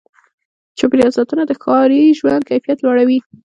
د چاپېریال ساتنه د ښاري ژوند کیفیت لوړوي.